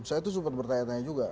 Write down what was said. saya tuh super bertanya tanya juga